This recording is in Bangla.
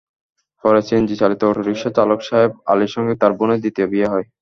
পরে সিএনজিচালিত অটোরিকশা চালক সাহেব আলীর সঙ্গে তাঁর বোনের দ্বিতীয় বিয়ে হয়।